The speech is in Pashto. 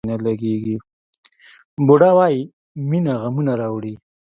بودا وایي مینه غمونه راوړي.